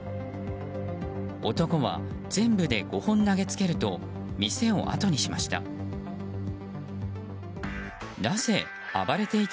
男は全部で５本投げつけると店をあとにしました。